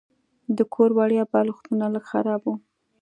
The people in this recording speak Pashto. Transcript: د کور وړیا بالښتونه لږ خراب وو.